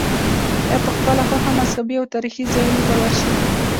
یا په خپله خوښه مذهبي او تاریخي ځایونو ته ورشې.